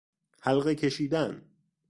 حلقه کشیدن